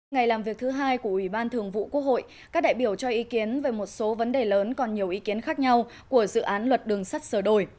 ngày làm việc thứ hai của ủy ban thường vụ quốc hội các đại biểu cho ý kiến về một số vấn đề lớn còn nhiều ý kiến khác nhau của dự án luật đường sắt sửa đổi